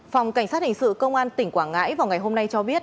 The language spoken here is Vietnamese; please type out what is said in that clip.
phòng cảnh sát hình sự công an tỉnh quảng ngãi vào ngày hôm nay cho biết